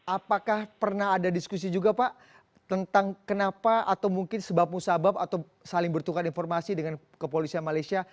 apakah pernah ada diskusi juga pak tentang kenapa atau mungkin sebab musabab atau saling bertukar informasi dengan kepolisian malaysia